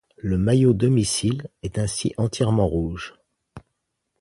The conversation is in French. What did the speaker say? Le maillot domicile est ainsi entièrement rouge.